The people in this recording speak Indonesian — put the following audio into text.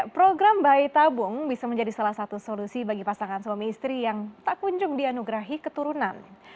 program bayi tabung bisa menjadi salah satu solusi bagi pasangan suami istri yang tak kunjung dianugerahi keturunan